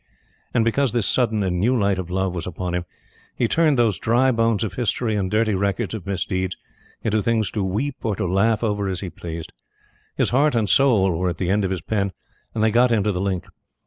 And, because this sudden and new light of Love was upon him, he turned those dry bones of history and dirty records of misdeeds into things to weep or to laugh over as he pleased. His heart and soul were at the end of his pen, and they got into the link.